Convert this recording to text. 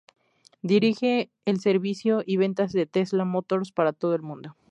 Dirige el servicio y ventas de Tesla Motors para todo el mundo.